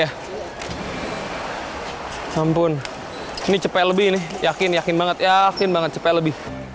ya sampun ini cepat lebih nih yakin yakin banget yakin banget cepat lebih